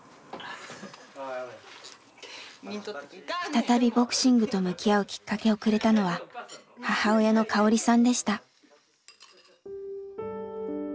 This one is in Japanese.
再びボクシングと向き合うきっかけをくれたのは母親の香穂理さんでした。